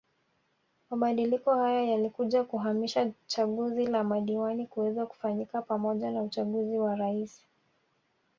Mabadiliko haya yalikuja kuhamisha chaguzi za madiwani kuweza kufanyika pamoja na uchaguzi wa Rais